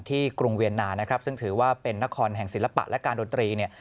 กรุงเวียนนานะครับซึ่งถือว่าเป็นนครแห่งศิลปะและการดนตรีเนี่ย